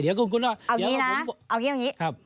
เอาอย่างนี้นะเอาอย่างนี้